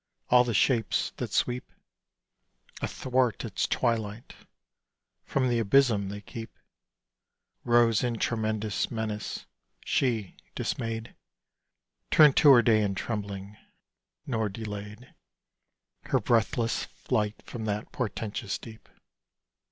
All the shapes that sweep Athwart its twilight, from the abysm they keep Rose in tremendous menace. She, dismayed, Turned to her day in trembling, nor delayed Her breathless flight from that portentous deep.